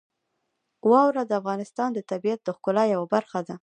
واوره د افغانستان د طبیعت د ښکلا یوه برخه ده.